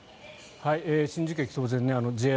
新宿駅、当然、ＪＲ